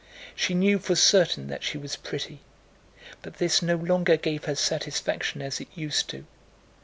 She knew for certain that she was pretty, but this no longer gave her satisfaction as it used to.